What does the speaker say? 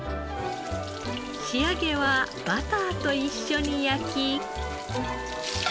仕上げはバターと一緒に焼き。